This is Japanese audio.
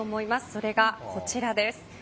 それがこちらです。